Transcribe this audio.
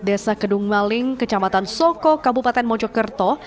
desa kedung maling kecamatan soko kabupaten mojokerto